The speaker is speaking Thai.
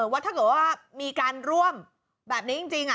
ว่าถ้าเกิดว่ามีการร่วมแบบนี้จริง